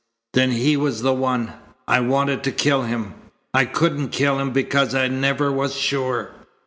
"Then he was the one! I wanted to kill him, I couldn't kill him because I never was sure."